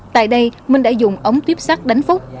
tại đây minh đã dùng ống tuyếp sắt đánh phúc